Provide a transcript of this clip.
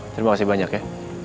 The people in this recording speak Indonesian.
terima kasih banyak ya